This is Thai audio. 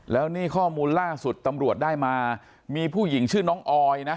แล้วนี่ข้อมูลล่าสุดตำรวจได้มามีผู้หญิงชื่อน้องออยนะ